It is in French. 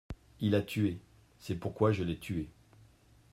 Il a tué, c'est pourquoi je l'ai tué.